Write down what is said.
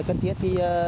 đi cần thiết